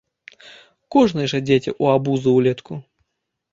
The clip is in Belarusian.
Кожнай жа дзеці ў абузу ўлетку.